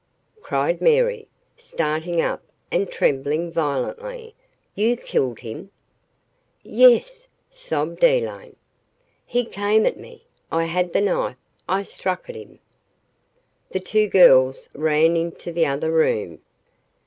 cried Mary, starting up and trembling violently. "You killed him?" "Yes," sobbed Elaine, "he came at me I had the knife I struck at him " The two girls ran into the other room.